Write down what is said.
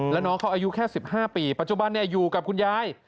แล้วน้องเขาอายุแค่๑๕ปีปัจจุบันอยู่กับคุณยาย